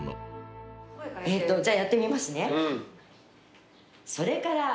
じゃあやってみますね。